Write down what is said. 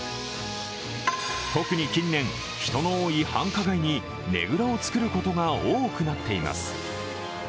特に近年、人の多い繁華街にねぐらを作ることが多くなっています。